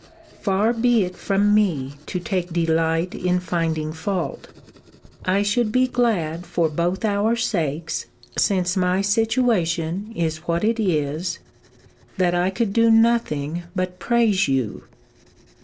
Far be it from me to take delight in finding fault; I should be glad for both our sakes, since my situation is what it is, that I could do nothing but praise you.